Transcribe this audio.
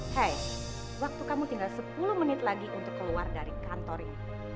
hei waktu kamu tinggal sepuluh menit lagi untuk keluar dari kantor ini